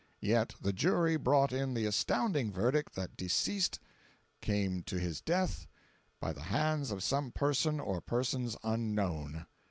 Yet the jury brought in the astounding verdict that deceased came to his death "by the hands of some person or persons unknown!"